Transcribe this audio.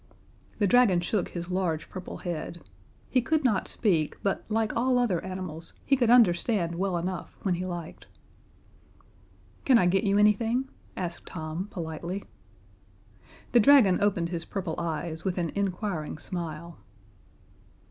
The dragon shook his large purple head. He could not speak, but like all other animals, he could understand well enough when he liked. "Can I get you anything?" asked Tom, politely. The dragon opened his purple eyes with an inquiring smile.